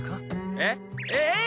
えっ？ええ。